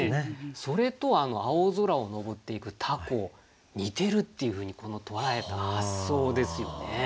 それと青空を上っていく凧似てるっていうふうに捉えた発想ですよね。